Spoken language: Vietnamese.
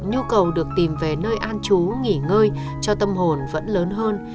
nhu cầu được tìm về nơi an chú nghỉ ngơi cho tâm hồn vẫn lớn hơn